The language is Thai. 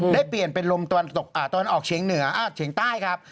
ได้เปลี่ยนเป็นลมตะวันออกเฉียงเฉียงใต้ครับ